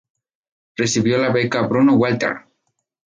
Recibió la beca Bruno Walter.